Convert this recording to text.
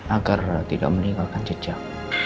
agar tidak meninggalkan jejak